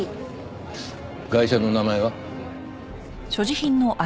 ガイシャの名前は？